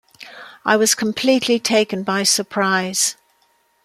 '" "I was completely taken by surprise.